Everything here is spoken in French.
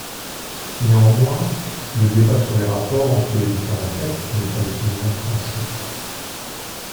Néanmoins, le débat sur les rapports entre les différents textes n'est pas définitivement tranché.